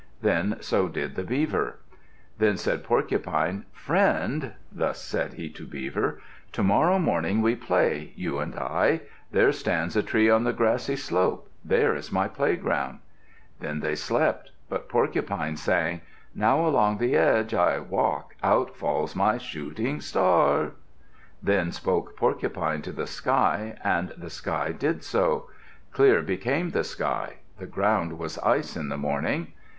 Then so did the Beaver. Then said Porcupine, "Friend," thus said he to Beaver "to morrow morning we play, you and I. There stands a tree on a grassy slope. There is my playground." Then they slept. But Porcupine sang, "Now along the edge I walk ... out falls my shooting star." Then spoke Porcupine to the sky, and the sky did so. Clear became the sky. The ground was ice in the morning.